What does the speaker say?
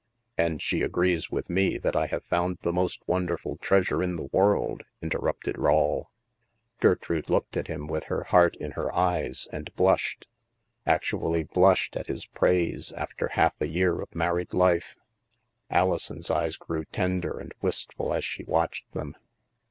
" And she agrees with me that I have found the 144 THE MASK most wonderful treasure in the world," interrupted Rawle. Gertrude looked at him with her heart in her eyes, and blushed. Actually blushed at his praise after half a year of married life ! Alison's eyes grew ten der and wistful as she watched them.